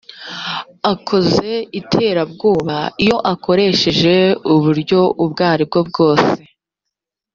akoze iterabwoba iyo akoresheje uburyo ubwo aribwo